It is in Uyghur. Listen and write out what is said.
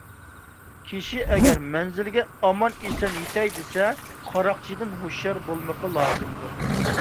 كىشى ئەگەر مەنزىلگە ئامان - ئېسەن يېتەي دېسە قاراقچىدىن ھوشيار بولمىقى لازىمدۇر.